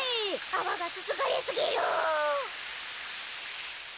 あわがすすがれすぎる。